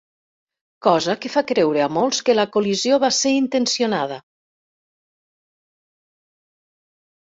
Cosa que fa creure a molts que la col·lisió va ser intencionada.